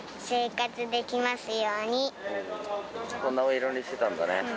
そんなお祈りしてたんだね。